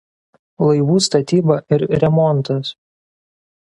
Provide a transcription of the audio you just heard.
Laivų statyba ir remontas.